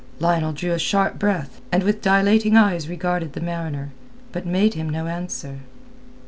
Lionel drew a sharp breath, and with dilating eyes regarded the mariner, but made him no answer.